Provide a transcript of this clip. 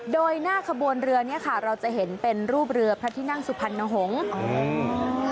โดยหน้าขบวนเรือเนี้ยค่ะเราจะเห็นเป็นรูปเรือพระที่นั่งสุพรรณหงษ์อืม